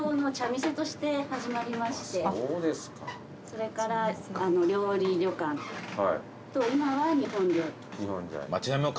それから料理旅館と今は日本料理。